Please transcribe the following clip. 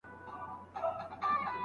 څراغ به تر سهاره پورې بل پاتې وي.